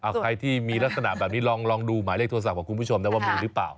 ใครที่มีลักษณะแบบนี้ลองดูหมายเลขโทรศัพท์ของคุณผู้ชมนะว่ามีหรือเปล่า